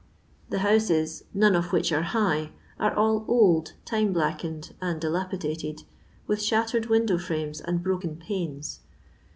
The houses, none of which are hi^h, are all old, time blackened, and dilapidated, with shattered window frames and broken panes.